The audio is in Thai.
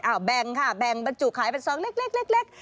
อ้าวแบงค่ะแบงมันจุขายเป็น๒เล็ก